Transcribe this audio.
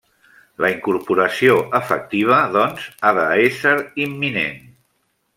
La incorporació efectiva, doncs, ha d'ésser imminent.